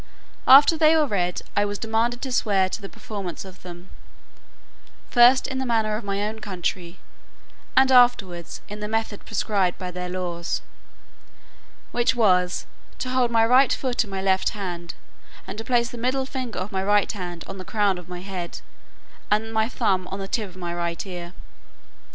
After they were read, I was demanded to swear to the performance of them; first in the manner of my own country, and afterwards in the method prescribed by their laws; which was, to hold my right foot in my left hand, and to place the middle finger of my right hand on the crown of my head, and my thumb on the tip of my right ear.